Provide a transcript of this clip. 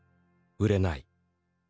売れない」。